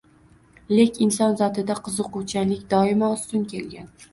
Lek inson zotida qiziquvchanlik doimo ustun kelgan